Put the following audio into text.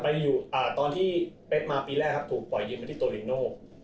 ไปอยู่ตอนที่เป๊บมาปีแรกครับถูกปล่อยยินมาที่โตริโน